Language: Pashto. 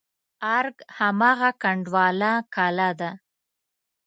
ارګ هماغه کنډواله کلا ده.